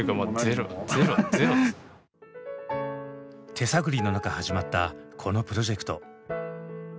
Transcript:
手探りの中始まったこのプロジェクト。